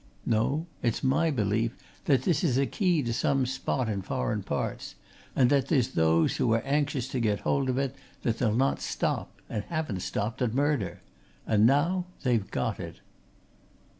No, it's my belief that this is a key to some spot in foreign parts, and that there's those who are anxious to get hold of it that they'll not stop and haven't stopped at murder. And now they've got it!"